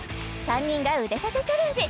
３人が腕立てチャレンジ